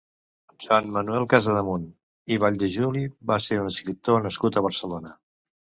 Joan Manuel Casademunt i Valldejuli va ser un escriptor nascut a Barcelona.